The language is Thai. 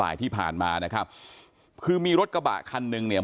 ที่ผ่านมานะครับคือมีรถกระบะคันหนึ่งเนี่ย